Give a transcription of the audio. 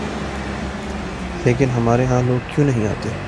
لیکن ہمارے ہاں لوگ کیوں نہیں آتے؟